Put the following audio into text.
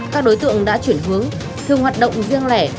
các đối tượng đã chuyển hướng dừng hoạt động riêng lẻ